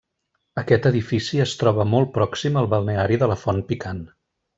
Aquest edifici es troba molt pròxim al balneari de la Font Picant.